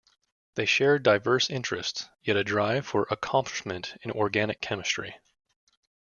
They shared diverse interests, yet a drive for accomplishment in organic chemistry.